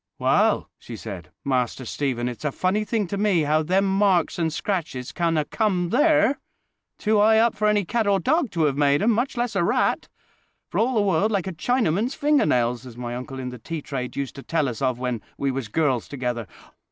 "Well," she said, "Master Stephen, it's a funny thing to me how them marks and scratches can 'a' come there—too high up for any cat or dog to 'ave made 'em, much less a rat: for all the world like a Chinaman's finger nails, as my uncle in the tea trade used to tell us of when we was girls together.